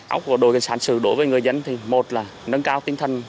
ốc của đội công an thành phố long khánh đối với người dân thì một là nâng cao tinh thần